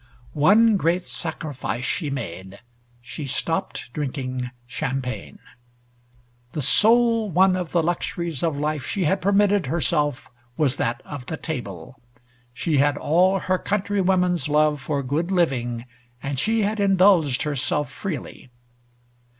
One great sacrifice she made. She stopped drinking champagne. The sole one of the luxuries of life she had permitted herself was that of the table. She had all her countrywomen's love for good living, and she had indulged herself freely.